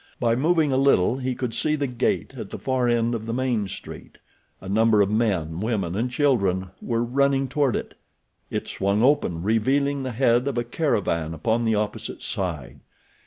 By moving a little he could see the gate at the far end of the main street. A number of men, women and children were running toward it. It swung open, revealing the head of a caravan upon the opposite side.